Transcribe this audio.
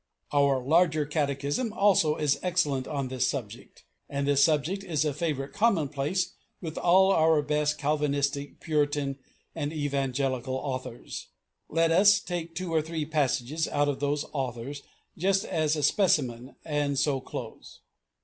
Our Larger Catechism, also, is excellent on this subject; and this subject is a favourite commonplace with all our best Calvinistic, Puritan, and Evangelical authors. Let us take two or three passages out of those authors just as a specimen, and so close.